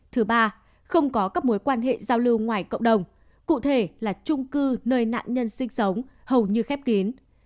thứ ba không có các mối quan hệ giao lưu ngoài cộng đồng cụ thể là trung cư nơi nạn nhân sinh sống hầu như khép kín